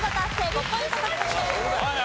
５ポイント獲得です。